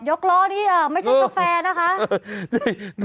ล้อนี่ไม่ใช่กาแฟนะคะ